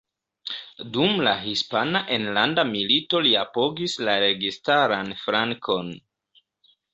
Dum la Hispana Enlanda Milito li apogis la registaran flankon.